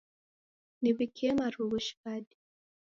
Niw'ikie marughu shighadi.